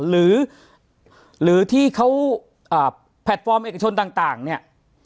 หรือหรือที่เขาอ่าแพลตฟอร์มเอกชนต่างต่างเนี่ย